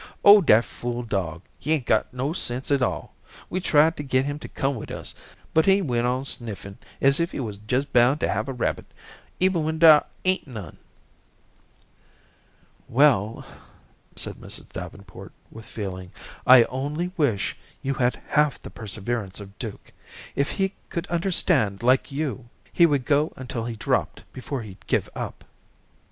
"Oh, dat fool dog, he ain't no sense at all. We tried to get him to come wid us, but he went on sniffin' as if he was jes' bound to have a rabbit, even when dar ain't none." "Well," said Mrs. Davenport, with feeling, "I only wish you had half the perseverance of Duke. If he could understand like you, he would go until he dropped before he'd give up."